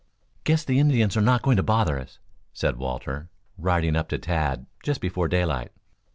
"Guess the Indians are not going to bother us," said Walter, riding up to Tad just before daylight.